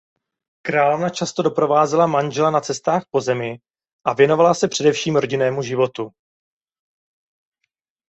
Královna často doprovázela manžela na cestách po zemi a věnovala se především rodinnému životu.